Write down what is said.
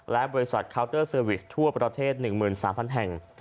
และบริษัทเคาน์เตอร์เซอร์วิสทั่วประเทศ๑๓๐๐แห่ง